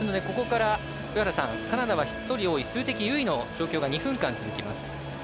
ここからカナダは１人多い数的優位の状況が２分間、続きます。